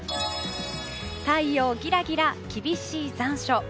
太陽ギラギラ厳しい残暑。